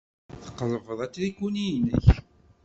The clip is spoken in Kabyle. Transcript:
Tqelbeḍ atriku-nni-inek.